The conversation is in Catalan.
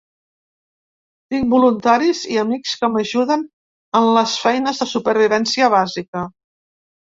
Tinc voluntaris i amics que m’ajuden en les feines de supervivència bàsica.